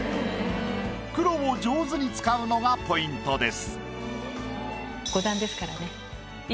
黒を上手に使うのがポイントです。